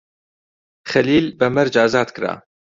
خەلیل بە مەرج ئازاد کرا.